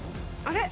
あれ？